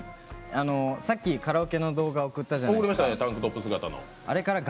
さっきカラオケの動画送ったじゃないですか。